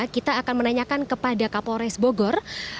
kita akan menanyakan kepada kapolres bogor